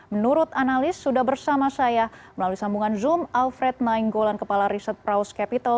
menurut analis sudah bersama saya melalui sambungan zoom alfred nainggolan kepala riset praus capital